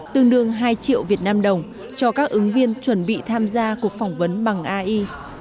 tương đương hai triệu việt nam đồng cho các ứng viên chuẩn bị tham gia cuộc phỏng vấn bằng ai